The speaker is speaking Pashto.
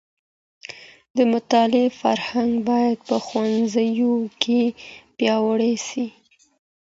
د مطالعې فرهنګ بايد په ښوونځيو کي پياوړی سي.